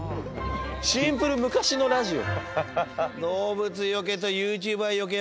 シンプル昔のラジオ。